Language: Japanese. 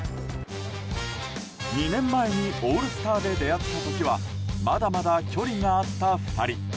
２年前にオールスターで出会った時はまだまだ距離があった２人。